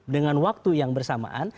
dengan waktu yang bersamaan